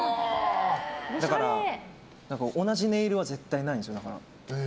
だから、同じネイルは絶対ないんですよ。